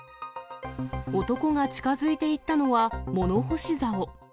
男が近づいていったのは、物干しざお。